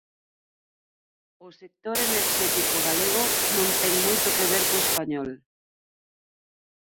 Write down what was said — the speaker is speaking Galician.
O sector enerxético galego non ten moito a ver co español.